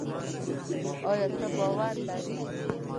ایا ته باور لري؟